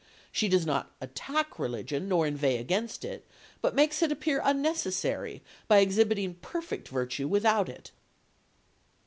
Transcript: She does not attack religion nor inveigh against it, but makes it appear unnecessary by exhibiting perfect virtue without it."